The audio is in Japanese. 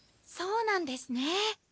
そうなんですね。